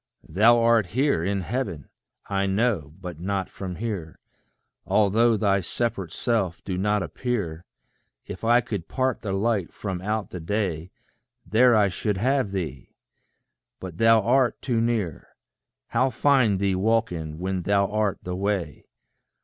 Thou art here in heaven, I know, but not from here Although thy separate self do not appear; If I could part the light from out the day, There I should have thee! But thou art too near: How find thee walking, when thou art the way?